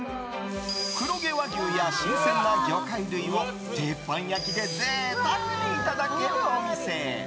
黒毛和牛や新鮮な魚介類を鉄板焼きで贅沢にいただけるお店。